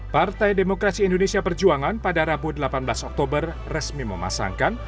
partai demokrasi indonesia perjuangan pada rabu delapan belas oktober resmi memasangkan